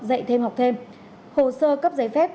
dạy thêm học thêm hồ sơ cấp giấy phép